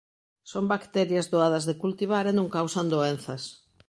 Son bacterias doadas de cultivar e non causan doenzas.